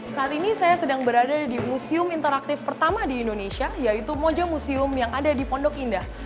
saat ini saya sedang berada di museum interaktif pertama di indonesia yaitu mojo museum yang ada di pondok indah